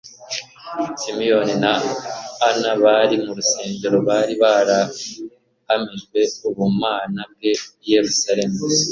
Simiyoni na Ana bari mu rusengero bari barahamije ubumana bwe i Yerusalemu.